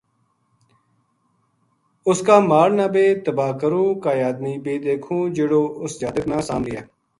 اُس کا مال نا بے تباہ کروں کائے آدمی بے دیکھوں جہیڑو اِس جاتک نا سام لِیے